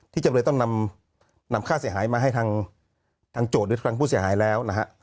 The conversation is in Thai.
จำเลยต้องนำค่าเสียหายมาให้ทางโจทย์หรือทางผู้เสียหายแล้วนะฮะ